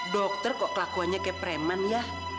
dokter kok kelakuannya kayak preman ya